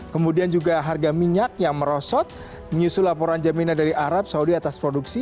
kemudian juga harga minyak yang merosot menyusul laporan jaminan dari arab saudi atas produksi